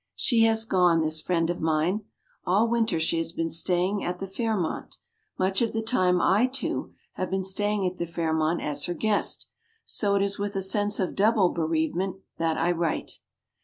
She has gone, this friend of mine. All winter she has been staying at the Fairmont. Much of the time I, too, have been staying at the Fairmont as her guest. So it is with a sense of double bereavement that I write.